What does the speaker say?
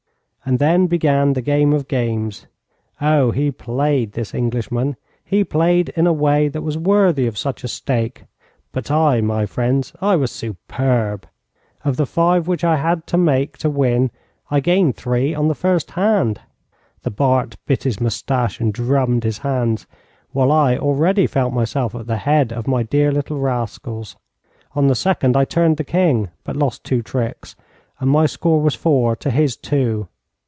And then began the game of games. Oh, he played, this Englishman he played in a way that was worthy of such a stake. But I, my friends, I was superb! Of the five which I had to make to win, I gained three on the first hand. The Bart bit his moustache and drummed his hands, while I already felt myself at the head of my dear little rascals. On the second, I turned the king, but lost two tricks and my score was four to his two.